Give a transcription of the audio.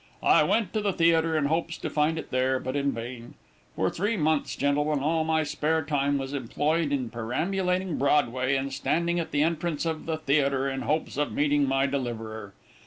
I went to the theatre, in hopes to find it there, but in vain. For three months, gentlemen, all my spare time was employed in perambulating Broadway, and standing at the entrance of the theatre, in hopes of meeting my deliverer.